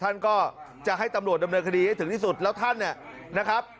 ท่านก็จะให้ตำรวจดำเนินคดีให้ถึงที่สุดแล้วท่านเนี่ยนะครับ